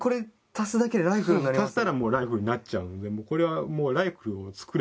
足したらもうライフルになっちゃうんで。